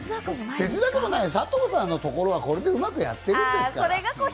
佐藤さんのところはこれでうまくやってるんですから。